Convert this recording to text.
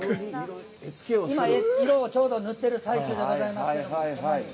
色をちょうど塗ってる最中でございます。